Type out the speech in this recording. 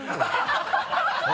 ハハハ